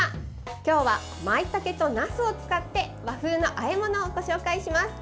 今日は、まいたけとなすを使って和風のあえ物をご紹介します。